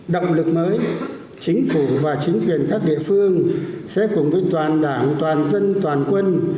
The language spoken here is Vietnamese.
động lực mới chính phủ và chính quyền các địa phương sẽ cùng với toàn đảng toàn dân toàn quân